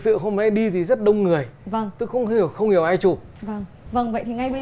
sự không mấy đi thì rất đông người vâng tôi không hiểu không hiểu ai chụp vâng vâng vậy thì ngay bây